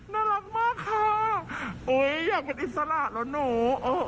น่ารักมากค่ะอยากเป็นอิสระเหรอหนู